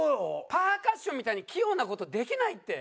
パーカッションみたいに器用な事できないって！